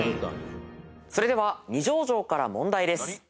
それでは二条城から問題です。